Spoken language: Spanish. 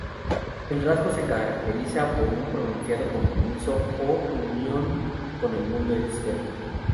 El rasgo se caracteriza por un pronunciado compromiso o unión con el mundo externo.